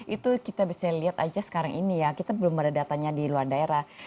itu kita bisa lihat aja sekarang ini ya kita belum ada datanya di luar daerah